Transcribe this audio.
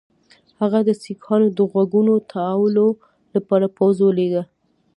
هغه د سیکهانو د غوږونو تاوولو لپاره پوځ ولېږه.